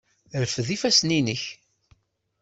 Rfed ifassen-nnek!